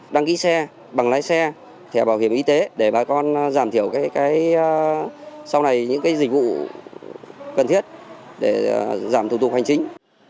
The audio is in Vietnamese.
đăng ký xe bằng lái xe thẻ bảo hiểm y tế để bà con giảm thiểu sau này những dịch vụ cần thiết để giảm thủ tục hành chính